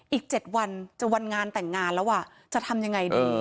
อีก๗วันจะวันงานแต่งงานแล้วจะทำยังไงดี